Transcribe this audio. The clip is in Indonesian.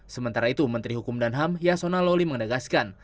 sementara itu menteri hukum dan ham yasona loli menegaskan